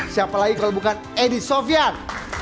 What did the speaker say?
siapa lagi kalau bukan edi sofian